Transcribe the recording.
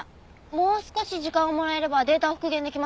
もう少し時間をもらえればデータを復元できます。